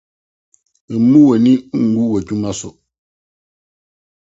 Mmu w'ani ngu w'adwuma so.